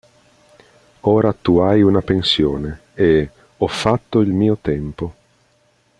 Ora tu hai una pensione" e "Ho fatto il mio tempo.